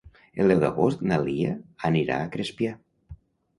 El deu d'agost na Lia anirà a Crespià.